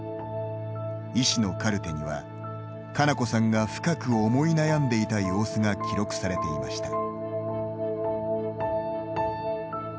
医師のカルテには佳菜子さんが深く思い悩んでいた様子が記録されていました。